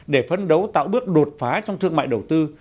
để phấn đấu tạo bước đột phá trong thương mại đầu tư